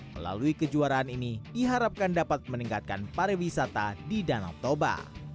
melalui kejuaraan ini diharapkan dapat meningkatkan pariwisata di danau toba